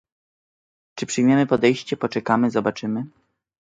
Czy przyjmiemy podejście "poczekamy, zobaczymy"?